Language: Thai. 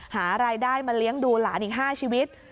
หารายได้มาเลี้ยงดูหลานอีก๕ชีวิต